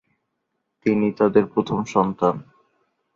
তিনি তাদের প্রথম সন্তান।